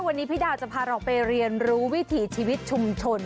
วันนี้พี่ดาวจะพาเราไปเรียนรู้วิถีชีวิตชุมชน